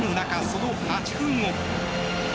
その８分後。